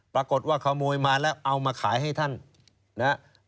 ปรากฏว่าขโมยมาแล้วเอามาขายให้ท่านนะครับ